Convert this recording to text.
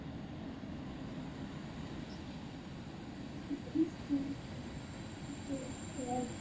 本列表为中华民国及中华人民共和国驻博茨瓦纳历任大使名录。